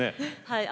はい。